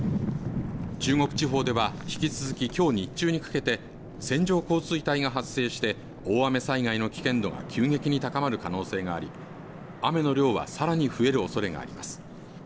中国地方では引き続ききょう日中にかけて線状降水帯が発生して大雨災害の危険度が急激に高まる可能性があり雨の量はさらに増えるおそれがあります。